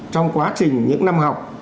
trong quá trình những năm học